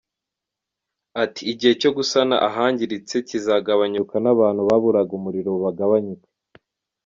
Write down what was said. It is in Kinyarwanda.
Ati “Igihe cyo gusana ahangiritse kizagabanyuka n’abantu baburaga umuriro bagabanyuke.